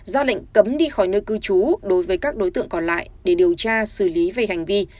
ra lệnh cấm đi khỏi nơi cư trú đối với các đối tượng còn lại để điều tra xử lý về hành vi